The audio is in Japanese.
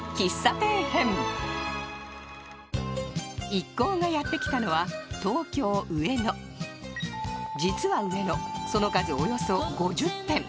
一行がやってきたのは東京・上野実は上野、その数およそ５０店。